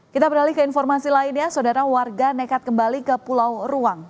kita beralih ke informasi lainnya saudara warga nekat kembali ke pulau ruang